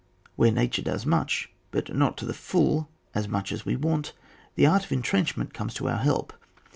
Where nature does much, but not to the full as much as we want, the art of entrenchment comes to our help.